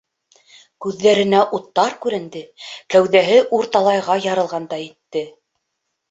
Күҙҙәренә уттар күренде, кәүҙәһе урталайға ярылғандай итте.